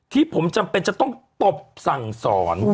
ที่ผมจำเป็นจะต้องตบสั่งสอน